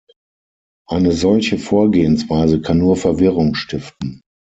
Eine solche Vorgehensweise kann nur Verwirrung stiften.